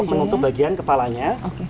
untuk menutup bagian kepalanya